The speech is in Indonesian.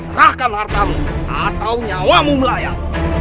serahkan hartamu atau nyawamu melayang